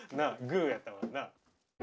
グーやったもんな。